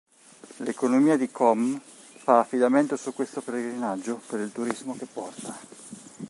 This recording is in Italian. L'economia di Qom fa affidamento su questo pellegrinaggio per il turismo che porta.